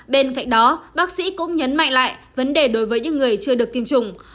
bên cạnh đó bác sĩ cũng nhấn mạnh lại vấn đề đối với những người chưa được tiêm chủng